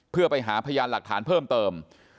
เพื่อไปหาพยานหลักฐานเพิ่มเติม